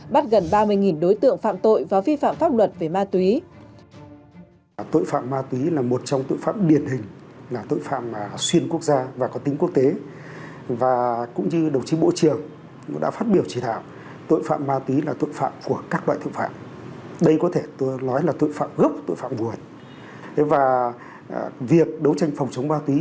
bắt gần ba mươi đối tượng phạm tội và vi phạm pháp luật về ma túy